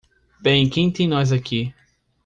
Bem quem tem nós aqui?